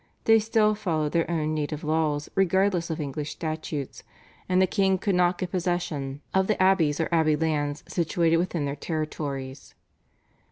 They still followed their own native laws regardless of English statutes, and the king could not get possession of the abbeys or abbey lands situated within their territories.